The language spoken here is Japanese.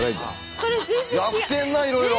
やってんなあいろいろ。